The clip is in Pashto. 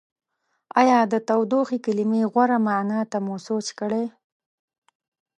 ایا د تودوخې کلمې غوره معنا ته مو سوچ کړی؟